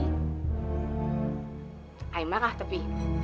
saya marah tapi